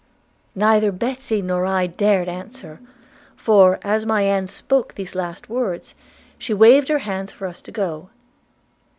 'Neither Betsy nor I dared answer; for, as my aunt spoke these last words, she waved her hands for us to go.